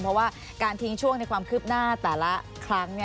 เพราะว่าการทิ้งช่วงในความคืบหน้าแต่ละครั้ง